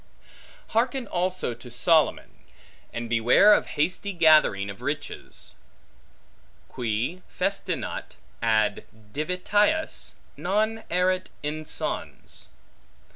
Harken also to Solomon, and beware of hasty gathering of riches; Qui festinat ad divitias, non erit insons.